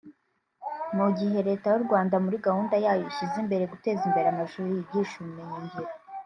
Mu gihe Leta y’u Rwanda muri gahunda yayo ishyize imbere guteza imbere amashuri yigisha ubumenyi ngiro (imyuga)